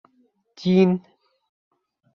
Тин